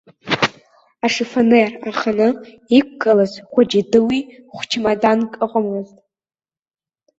Ашифонер аханы иқәгылаз хәыҷи-дуи хә-чамаданк ыҟамызт.